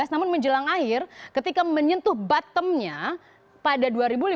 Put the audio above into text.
namun menjelang akhir ketika menyentuh bottomnya pada dua ribu lima belas